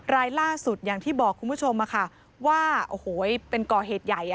รายล่าสุดอย่างที่บอกคุณผู้ชมว่าโอ้โหเป็นก่อเหตุใหญ่